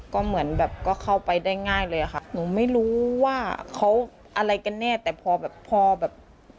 ก็เหมือนแบบก็เข้าไปได้ง่ายเลยอะค่ะหนูไม่รู้ว่าเขาอะไรกันแน่แต่พอแบบพอแบบ